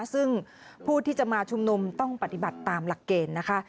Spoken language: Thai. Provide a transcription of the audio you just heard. ซึ่งผู้ที่จะมาชุมนุมต้องปฏิบัติตามหลักเกณฑ์นะคะ